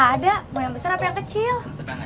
ada mau yang besar apa yang kecil